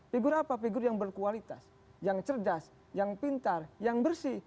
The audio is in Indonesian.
figur apa figur yang berkualitas yang cerdas yang pintar yang bersih